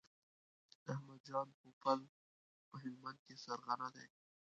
احمد جان پوپل په هلمند کې سرغنه دی.